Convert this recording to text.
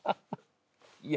いや。